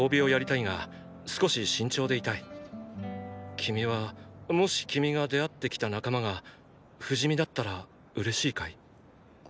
君はもし君が出会ってきた仲間が不死身だったら嬉しいかい？